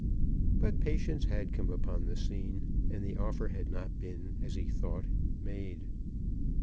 But Patience had come upon the scene, and the offer had not been, as he thought, made.